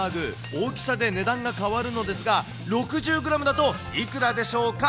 大きさで値段が変わるのですが、６０グラムだといくらでしょうか？